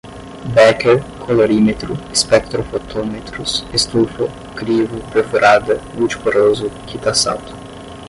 béquer, colorímetro, espectrofotômetros, estufa, crivo, perfurada, multi poroso, kitasato